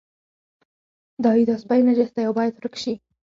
وایي دا سپی نجس دی او باید ورک شي.